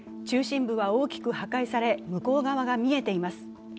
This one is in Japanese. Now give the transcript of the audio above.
中心部は大きく破壊され、向こう側が見えています。